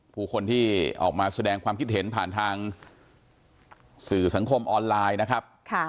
ผู้คนที่ออกมาแสดงความคิดเห็นผ่านทางสื่อสังคมออนไลน์นะครับ